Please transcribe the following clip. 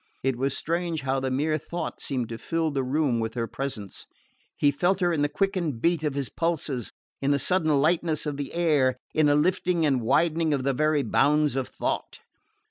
It was strange how the mere thought seemed to fill the room with her presence. He felt her in the quickened beat of his pulses, in the sudden lightness of the air, in a lifting and widening of the very bounds of thought.